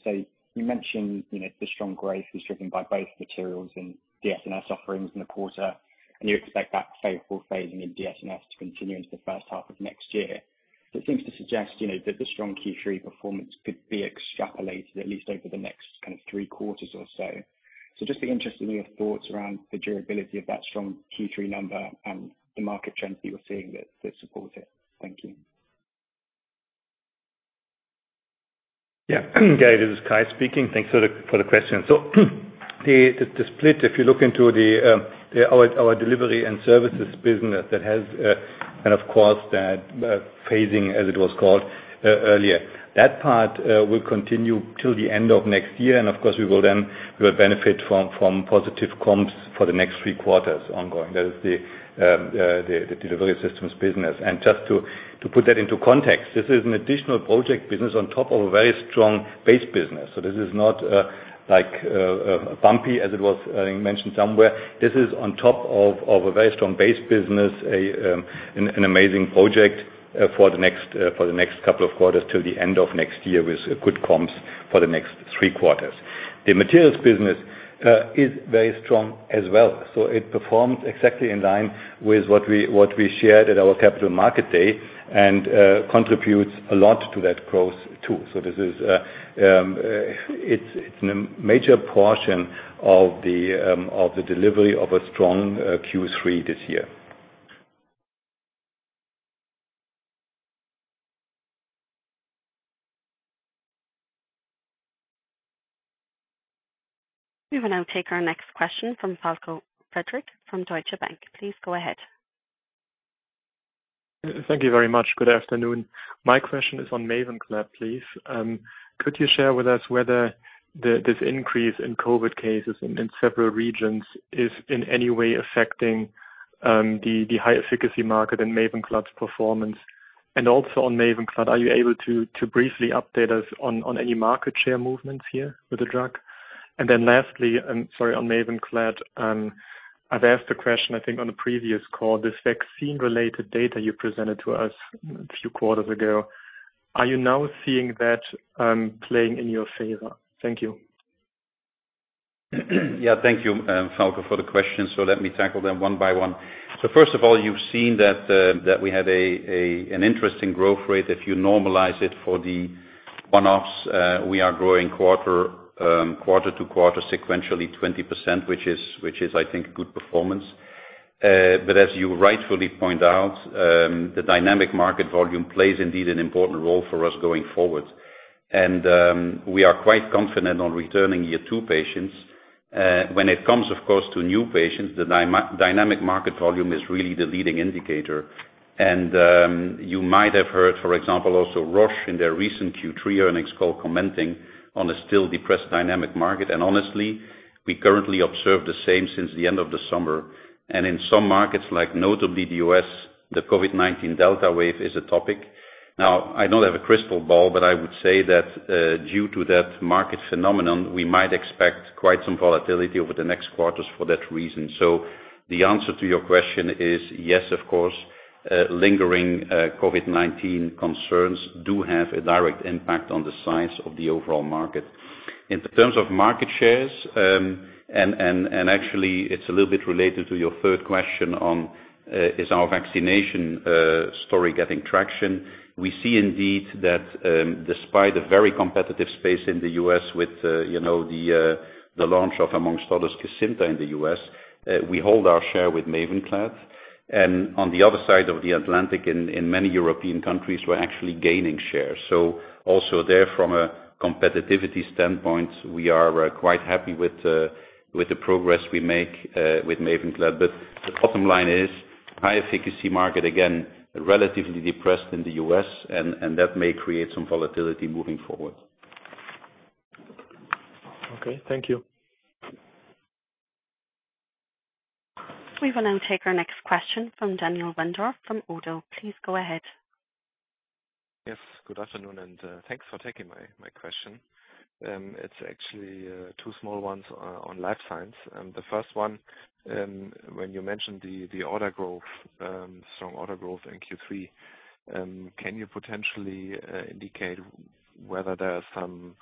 You mentioned, you know, the strong growth was driven by both materials and DS&S offerings in the quarter, and you expect that favorable phasing in DS&S to continue into the first half of next year. It seems to suggest, you know, that the strong Q3 performance could be extrapolated at least over the next kind of three quarters or so. I'm just interested in your thoughts around the durability of that strong Q3 number and the market trends that you're seeing that support it. Thank you.
Yeah. Gary, this is Kai speaking. Thanks for the question. The split, if you look into our delivery and services business that has and of course that phasing as it was called earlier. That part will continue till the end of next year and of course we will then benefit from positive comps for the next three quarters ongoing. That is the delivery systems business. Just to put that into context, this is an additional project business on top of a very strong base business. This is not like bumpy as it was mentioned somewhere. This is on top of a very strong base business, an amazing project for the next couple of quarters till the end of next year, with good comps for the next three quarters. The materials business is very strong as well, so it performs exactly in line with what we shared at our Capital Market Day, and contributes a lot to that growth too. This is a major portion of the delivery of a strong Q3 this year.
We will now take our next question from Falko Friedrichs from Deutsche Bank. Please go ahead.
Thank you very much. Good afternoon. My question is on MAVENCLAD, please. Could you share with us whether this increase in COVID cases in several regions is in any way affecting the high efficacy market and MAVENCLAD's performance? Also on MAVENCLAD, are you able to briefly update us on any market share movements here with the drug? Lastly, sorry, on MAVENCLAD, I've asked the question I think on the previous call, this vaccine-related data you presented to us a few quarters ago. Are you now seeing that playing in your favor? Thank you.
Yeah. Thank you, Falko, for the question. Let me tackle them one by one. First of all, you've seen that we had an interesting growth rate. If you normalize it for the one-offs, we are growing quarter to quarter sequentially 20%, which is, I think, good performance. But as you rightfully point out, the dynamic market volume plays indeed an important role for us going forward. We are quite confident on returning year two patients. When it comes, of course, to new patients, the dynamic market volume is really the leading indicator. You might have heard, for example, also Roche in their recent Q3 earnings call commenting on a still depressed dynamic market. Honestly, we currently observe the same since the end of the summer. In some markets like notably the U.S., the COVID-19 Delta wave is a topic. Now, I don't have a crystal ball, but I would say that, due to that market phenomenon, we might expect quite some volatility over the next quarters for that reason. The answer to your question is yes, of course. Lingering COVID-19 concerns do have a direct impact on the size of the overall market. In terms of market shares, and actually it's a little bit related to your third question on, is our vaccination story getting traction. We see indeed that, despite a very competitive space in the U.S. with, you know, the launch of amongst others, Kesimpta in the U.S., we hold our share with MAVENCLAD. On the other side of the Atlantic in many European countries, we're actually gaining shares. Also there from a competitiveness standpoint, we are quite happy with the progress we make with MAVENCLAD. The bottom line is high efficacy market, again, relatively depressed in the U.S. and that may create some volatility moving forward.
Okay. Thank you.
We will now take our next question from Daniel Wendorff from Oddo. Please go ahead.
Yes. Good afternoon and thanks for taking my question. It's actually two small ones on Life Science. The first one, when you mentioned the order growth, strong order growth in Q3, can you potentially indicate whether there are some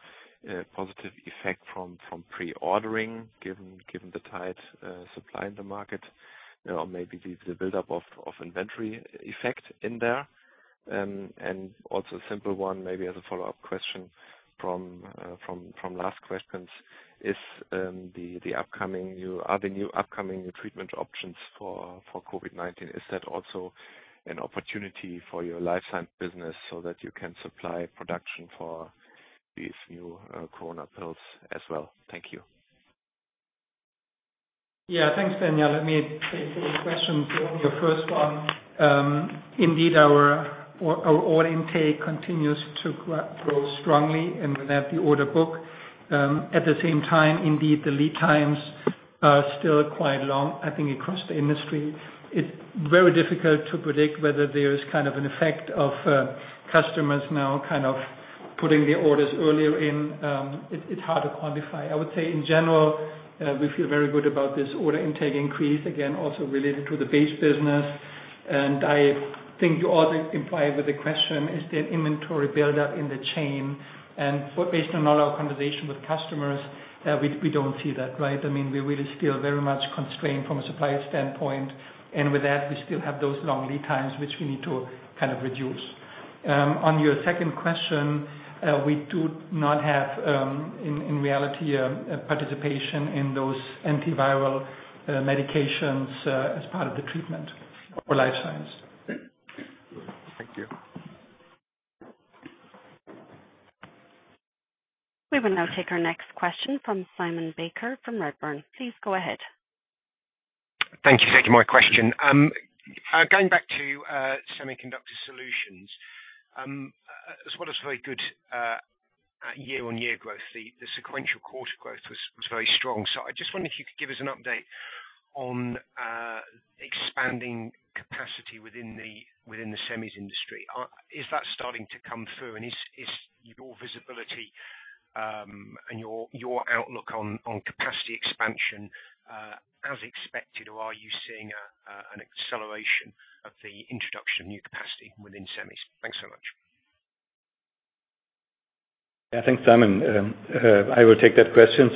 positive effect from pre-ordering given the tight supply in the market or maybe the buildup of inventory effect in there? And also a simple one maybe as a follow-up question from last questions, are the new upcoming treatment options for COVID-19 also an opportunity for your Life Science business so that you can supply production for these new corona pills as well? Thank you.
Yeah. Thanks, Daniel. Let me take those questions. On your first one, indeed our order intake continues to grow strongly and with that the order book. At the same time, indeed, the lead times are still quite long, I think across the industry. It's very difficult to predict whether there is kind of an effect of, customers now kind of putting their orders earlier in. It's hard to quantify. I would say in general, we feel very good about this order intake increase, again, also related to the base business. I think you also imply with the question is there inventory buildup in the chain? Well, based on all our conversation with customers, we don't see that, right? I mean, we really feel very much constrained from a supply standpoint, and with that we still have those long lead times, which we need to kind of reduce. On your second question, we do not have, in reality, a participation in those antiviral medications, as part of the treatment for Life Science.
Thank you.
We will now take our next question from Simon Baker from Redburn. Please go ahead.
Thank you for taking my question. Going back to Semiconductor Solutions. As well as very good year-on-year growth, the sequential quarter growth was very strong. I just wonder if you could give us an update on expanding capacity within the Semis industry. Is that starting to come through and is your visibility and your outlook on capacity expansion as expected, or are you seeing an acceleration of the introduction of new capacity within Semis? Thanks so much.
Yeah. Thanks, Simon. I will take that question.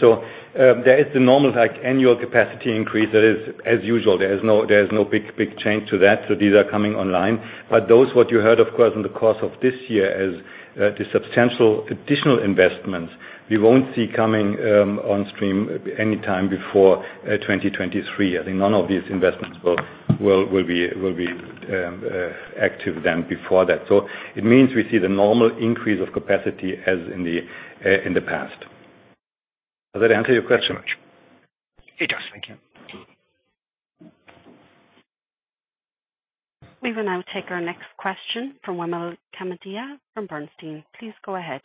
There is the normal annual capacity increase. That is, as usual, there is no big change to that. These are coming online. Those what you heard, of course, in the course of this year as the substantial additional investments we won't see coming on stream any time before 2023. I think none of these investments will be active before that. It means we see the normal increase of capacity as in the past. Does that answer your question?
It does. Thank you.
We will now take our next question from Wimal Kapadia from Bernstein. Please go ahead.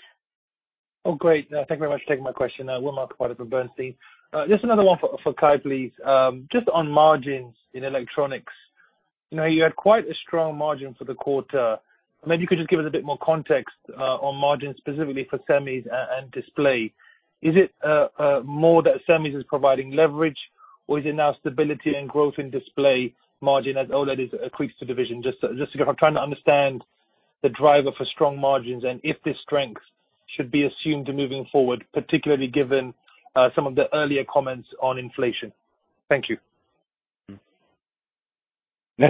Oh, great. Thank you very much for taking my question. Wimal Kapadia from Bernstein. Just another one for Kai, please. Just on margins in electronics. You know, you had quite a strong margin for the quarter. Maybe you could just give us a bit more context on margins specifically for semis and display. Is it more that semis is providing leverage or is it now stability and growth in display margin as all that is equates to division? Just trying to understand the driver for strong margins and if this strength should be assumed moving forward, particularly given some of the earlier comments on inflation. Thank you.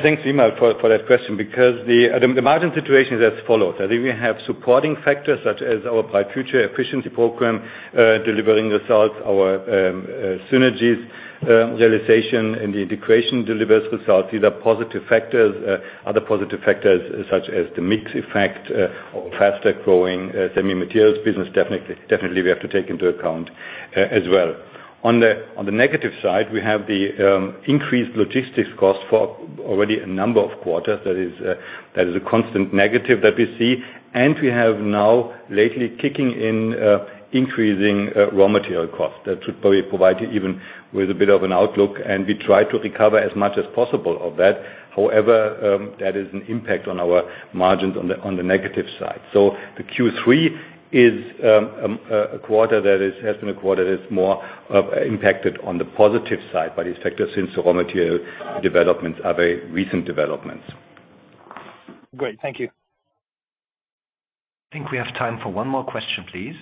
Thanks, Wimal, for that question. Because the margin situation is as follows. I think we have supporting factors such as our Bright Future efficiency program delivering results, our synergies realization and the integration delivers results. These are positive factors. Other positive factors such as the mix effect or faster growing semi materials business, definitely we have to take into account as well. On the negative side, we have the increased logistics cost for already a number of quarters. That is a constant negative that we see. We have now lately kicking in increasing raw material costs. That should probably provide you even with a bit of an outlook, and we try to recover as much as possible of that. However, that is an impact on our margins on the negative side. The Q3 is a quarter that has been more impacted on the positive side by these factors since the raw material developments are very recent.
Great. Thank you.
I think we have time for one more question, please.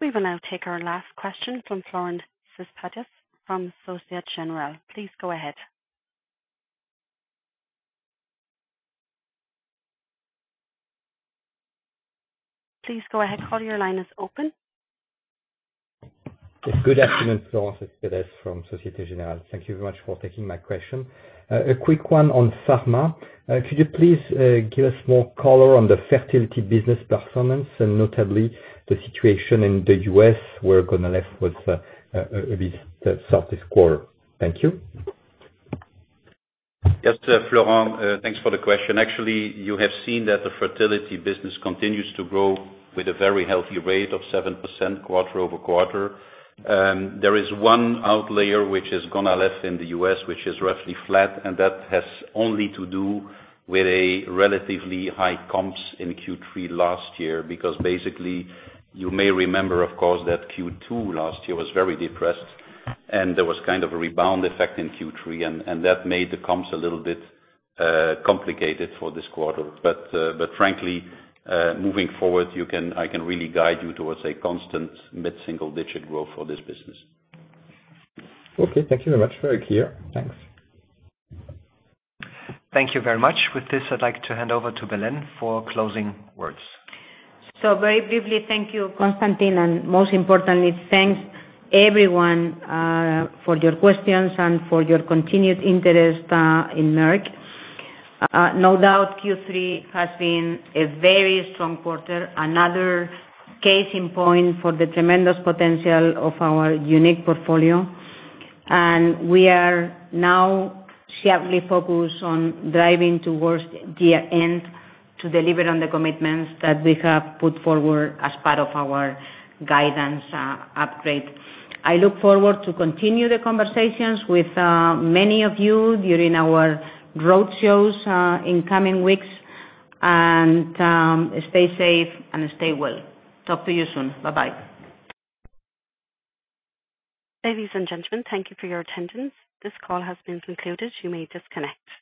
We will now take our last question from Florent Cespedes from Société Générale. Please go ahead. Florent, your line is open.
Good afternoon. Florent Cespedes from Societe Generale. Thank you very much for taking my question. A quick one on pharma. Could you please give us more color on the fertility business performance and notably the situation in the U.S. where GONAL-f was released at the start of this quarter. Thank you.
Yes, Florent, thanks for the question. Actually, you have seen that the fertility business continues to grow with a very healthy rate of 7% quarter-over-quarter. There is one outlier which is GONAL-f in the U.S., which is roughly flat, and that has only to do with a relatively high comps in Q3 last year. Because basically, you may remember, of course, that Q2 last year was very depressed and there was kind of a rebound effect in Q3, and that made the comps a little bit complicated for this quarter. But frankly, moving forward, I can really guide you towards a constant mid-single digit growth for this business.
Okay. Thank you very much. Very clear. Thanks.
Thank you very much. With this, I'd like to hand over to Belén for closing words.
Very briefly. Thank you, Constantin. Most importantly, thanks everyone for your questions and for your continued interest in Merck. No doubt Q3 has been a very strong quarter. Another case in point for the tremendous potential of our unique portfolio. We are now sharply focused on driving towards the end to deliver on the commitments that we have put forward as part of our guidance upgrade. I look forward to continue the conversations with many of you during our roadshows in coming weeks. Stay safe and stay well. Talk to you soon. Bye-bye.
Ladies and gentlemen, thank you for your attendance. This call has been concluded. You may disconnect.